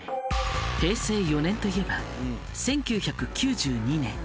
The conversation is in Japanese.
平成４年といえば１９９２年。